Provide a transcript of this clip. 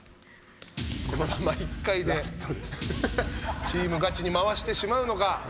このまま１回でチームガチに回してしまうのか。